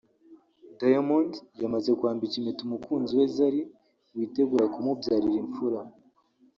Diamond yamaze kwambika impeta umukunzi we Zari witegura kumubyarira imfura